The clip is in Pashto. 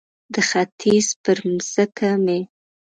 د ختیځ پر مځکه مې